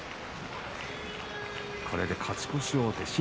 これで勝ち越し王手